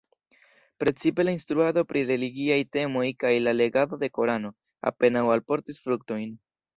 Precipe la instruado pri religiaj temoj kaj la legado de Korano apenaŭ alportis fruktojn.